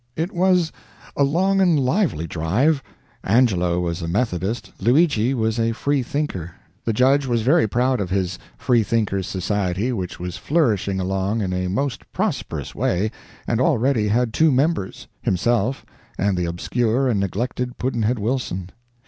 [It was a long and lively drive. Angelo was a Methodist, Luigi was a Free thinker. The judge was very proud of his Freethinkers' Society, which was flourishing along in a most prosperous way and already had two members himself and the obscure and neglected Pudd'nhead Wilson.